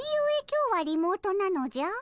今日はリモートなのじゃ？